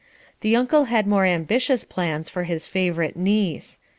The uncle had more ambitious plans for his favourite niece.